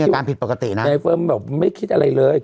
ข้าเฟิร์นบอกไม่คิดอะไรเลย